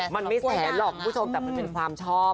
มันไม่แสนหรอกคุณผู้ชมแต่มันเป็นความชอบ